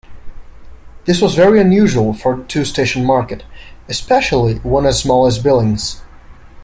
This was very unusual for a two-station market, especially one as small as Billings.